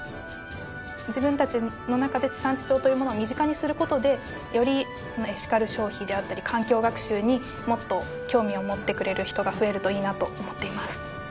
自分たちの中で地産地消というものを身近にする事でよりエシカル消費であったり環境学習にもっと興味を持ってくれる人が増えるといいなと思っています。